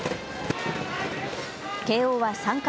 慶応は３回。